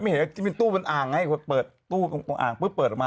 ไม่เห็นตู้เป็นอ่างไงตู้เปิดออกมา